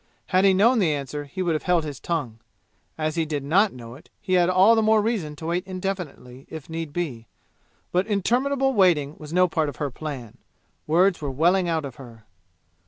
Had he known the answer he would have held his tongue. As he did not know it, he had all the more reason to wait indefinitely, if need be. But interminable waiting was no part of her plan. Words were welling out of her.